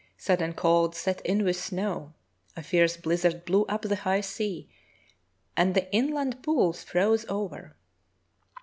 Sudden cold set in with snow, a fierce bliz zard blew up a high sea, and the inland pools froze over.